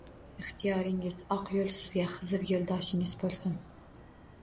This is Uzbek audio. Ixtiyoringiz… Oq yoʻl sizga. Xizr yoʻldoshingiz boʻlsin!..